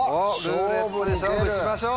「ルーレット」で勝負しましょう。